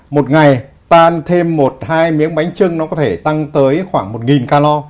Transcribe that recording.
một ngày tan thêm một hai miếng bánh trưng nó có thể tăng tới khoảng một nghìn calo